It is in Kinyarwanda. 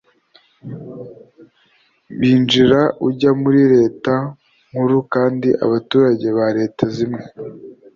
byinjira ujya muri Leta nkuru kandi abaturage ba leta zimwe